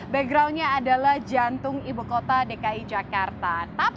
backgroundnya adalah jantung ibu kota dki jakarta